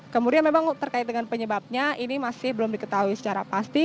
kemudian memang terkait dengan penyebabnya ini masih belum diketahui secara pasti